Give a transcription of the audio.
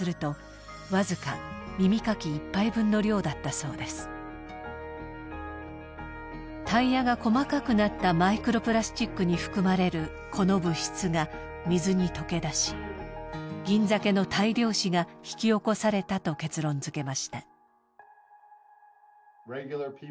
それはタイヤが細かくなったマイクロプラスチックに含まれるこの物質が水に溶け出しギンザケの大量死が引き起こされたと結論づけました。